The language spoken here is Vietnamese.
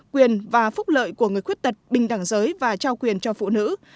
quyền và phúc lợi của người khuyết tật bình đẳng giới và trao quyền cho phụ nữ